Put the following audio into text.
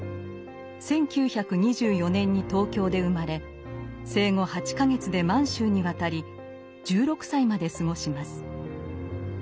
１９２４年に東京で生まれ生後８か月で満州に渡り１６歳まで過ごします。